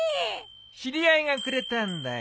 知り合いがくれたんだよ。